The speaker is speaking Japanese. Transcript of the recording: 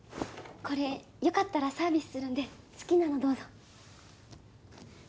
これよかったらサービスするんで好きなのをどうぞ。